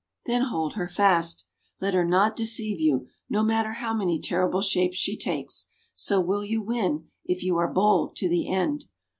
Then hold her fast. Let her not deceive you, no matter how many terrible shapes she takes. So will you win, if you are bold to the end."